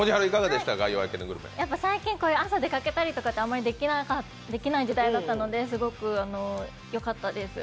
最近朝出かけたりとかってできない時代だったのですごくよかったです。